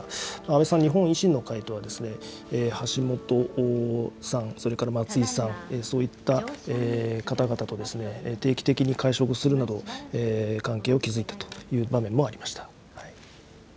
安倍さん、日本維新の会とは、橋下さん、それから松井さん、そういった方々とですね、定期的に会食するなど、関係を築いたという場面もありました。